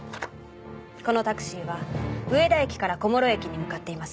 このタクシーは上田駅から小諸駅に向かっています。